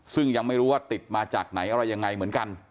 ซึ่งยังไม่รู้ว่าติดมาจากไหนอะไรยังไงเหมือนกัน